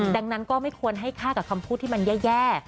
ดังนั้นก็ไม่ควรให้ค่ากับคำพูดที่มันแย่